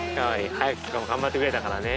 早くから頑張ってくれたからね。